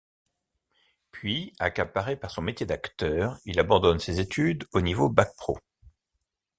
Puis, accaparé par son métier d’acteur, il abandonne ses études au niveau Bac Pro.